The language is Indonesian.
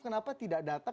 kenapa tidak datang